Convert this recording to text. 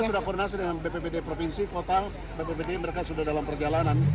kita sudah koordinasi dengan bppd provinsi kota bppd mereka sudah dalam perjalanan